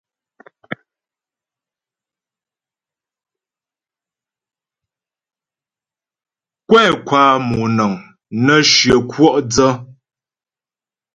Kwɛ kwa moŋəŋ nə́ shyə kwɔ' dsə.